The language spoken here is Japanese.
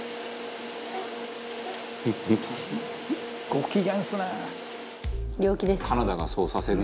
「ご機嫌ですね！」